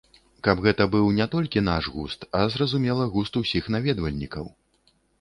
Каб гэта быў не толькі наш густ, а, зразумела, густ усіх наведвальнікаў.